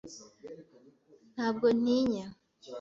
Ntabwo ntinya.